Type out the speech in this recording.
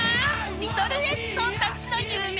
リトルエジソンたちの夢